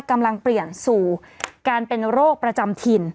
กำลังเปลี่ยนสู่การเป็นโรคประจำถิ่น